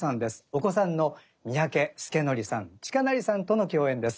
お子さんの三宅右矩さん近成さんとの共演です。